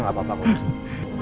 kangen dong masakan biasanya